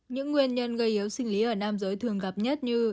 những nguyên nhân gây yếu sinh lý ở nam giới thường gặp nhất như